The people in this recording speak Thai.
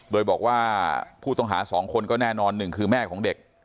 โดยบอกว่าผู้ต้องหา๒คนก็แน่นอนหนึ่งคือแม่ของเด็ก